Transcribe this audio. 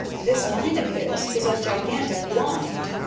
This mine of his is a gigantic blind.